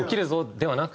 ではなく